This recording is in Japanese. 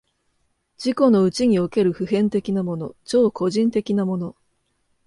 自己のうちにおける普遍的なもの、超個人的なもの、